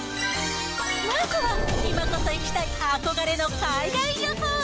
まずは、今こそ行きたい憧れの海外旅行。